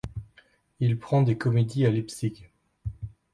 Il prend des comédies à Leipzig.